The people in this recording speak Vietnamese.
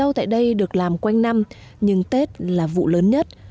rau tại đây được làm quanh năm nhưng tết là vụ lớn nhất